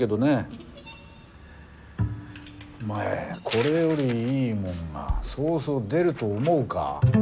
これよりいいもんがそうそう出ると思うか？